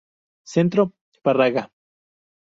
Centro Párraga.